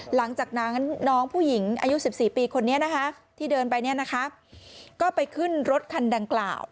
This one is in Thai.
หลังจากน้องผู้หญิงอายุ๑๔ปีคนนี้ที่เดินไปก็ไปขึ้นรถคันดังกล่าว